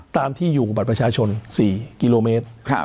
ตามที่อยู่กับบัตรประชาชน๔กิโลเมตร